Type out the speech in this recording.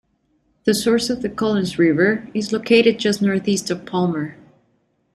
The source of the Collins River is located just northeast of Palmer.